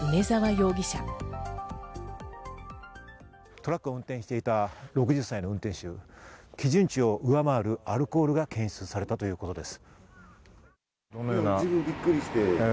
トラックを運転していた６０歳の運転手、基準値を上回るアルコールが検出されたということです。